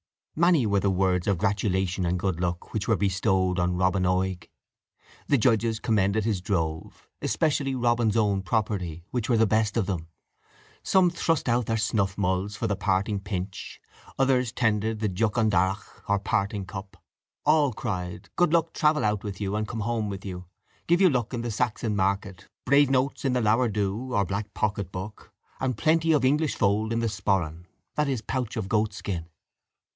Many were the words of gratulation and good luck which were bestowed on Robin Oig. The judges commended his drove, especially Robin's own property, which were the best of them. Some thrust out their snuff mulls for the parting pinch; others tendered the doch an darroch, or parting cup. All cried: "Good luck travel out with you and come home with you. Give you luck in the Saxon market brave notes in the leabhar dhu (black pocket book) and plenty of English fold in the sporran" (pouch of goat skin).